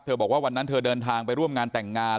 บอกว่าวันนั้นเธอเดินทางไปร่วมงานแต่งงาน